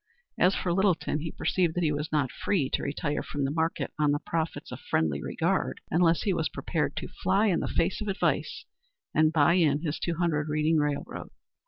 As for Littleton, he perceived that he was not free to retire from the market on the profits of friendly regard unless he was prepared to fly in the face of advice and buy in his two hundred Reading railroad.